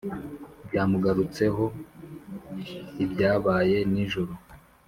byamugarutseho. ibyabaye nijoro